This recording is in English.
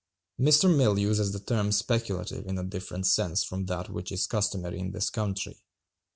Mr. Mill uses the term "speculative" in a different sense from that which is customary in this country.